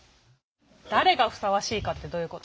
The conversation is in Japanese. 「誰がふさわしいか」ってどういうこと？